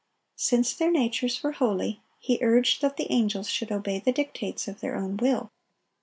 Since their natures were holy, he urged that the angels should obey the dictates of their own will.